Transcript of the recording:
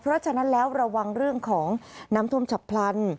เพราะฉะนั้นแล้วระวังเรื่องของน้ำท่วมฉับพลัน